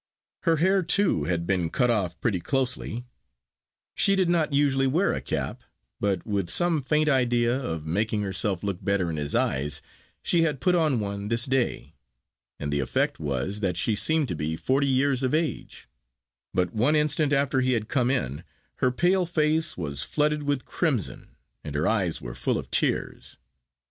Her hair, too, had been cut off pretty closely; she did not usually wear a cap, but with some faint idea of making herself look better in his eye, she had put on one this day, and the effect was that she seemed to be forty years of age; but one instant after he had come in, her pale face was flooded with crimson, and her eyes were full of tears.